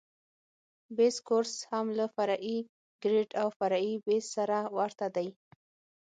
بیس کورس هم له فرعي ګریډ او فرعي بیس سره ورته دی